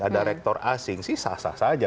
ada rektor asing sih sah sah saja